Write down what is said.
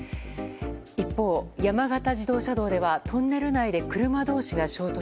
一方、山形自動車道ではトンネル内で車同士が衝突。